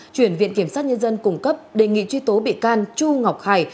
chuyển viện kiểm soát nhân dân cung cấp đề nghị truy tố bị can chu ngọc khải